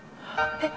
えっ？